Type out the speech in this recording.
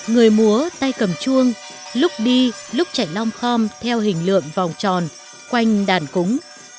người múa tay cầm chuông lúc đi lúc chảy long khom theo hình lượng vòng tròn quanh đàn cúng